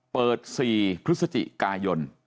เปิด๔พฤศจิกายน